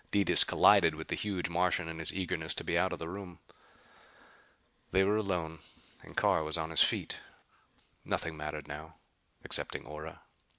Detis collided with the huge Martian in his eagerness to be out of the room. They were alone and Carr was on his feet. Nothing mattered now excepting Ora.